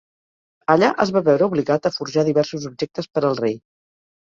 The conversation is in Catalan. Allà es va veure obligat a forjar diversos objectes per al rei.